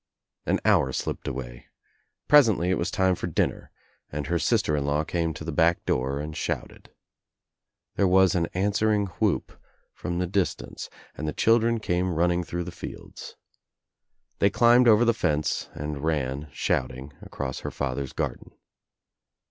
An hour slipped away. Presently It was time for dinner and her sister in law came to the back door and shouted. There was an answering whoop from the 8h( 152 THE TRIUMPH OF THE EGG distance and the children came running through the fields. They climbed over the fence and ran shouting across her father's garden.